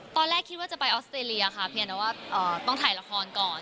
ตอนแรกคิดว่าจะไปออสเตรเลียค่ะเพียงแต่ว่าต้องถ่ายละครก่อน